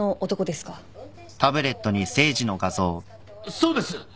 そうです！